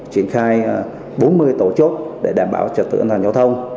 triển khai bốn mươi tổ chốt để đảm bảo trật tự an toàn giao thông